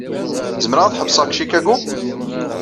Zemreɣ ad ḥebseɣ deg Chicago?